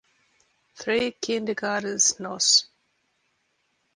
Three kindergartens Nos.